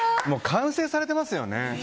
完成されてますよね。